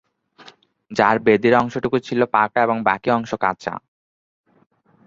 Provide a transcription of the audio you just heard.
যার বেদীর অংশটুকু ছিল পাকা এবং বাকী অংশ কাঁচা।